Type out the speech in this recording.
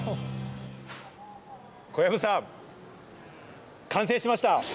小籔さん、完成しました。